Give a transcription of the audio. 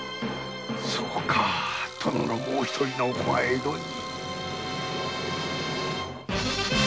そうか殿のもう一人のお子が江戸に。